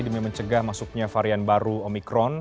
demi mencegah masuknya varian baru omikron